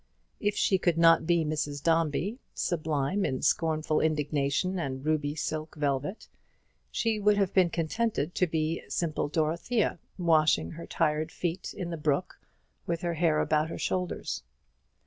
If she could not be Mrs. Dombey, sublime in scornful indignation and ruby silk velvet, she would have been contented to be simple Dorothea, washing her tired feet in the brook, with her hair about her shoulders.